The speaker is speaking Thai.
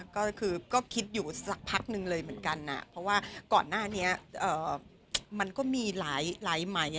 ก็คือก็คิดอยู่สักพักนึงเลยเหมือนกันเพราะว่าก่อนหน้านี้มันก็มีหลายไหม